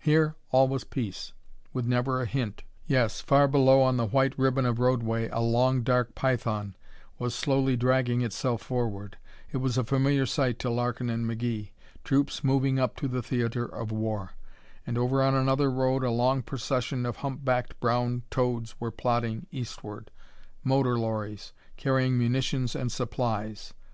Here all was peace, with never a hint yes, far below on the white ribbon of roadway a long, dark python was slowly dragging itself forward. It was a familiar sight to Larkin and McGee troops moving up to the theatre of war. And over on another road a long procession of humpbacked brown toads were plodding eastward. Motor lorries, carrying munitions and supplies.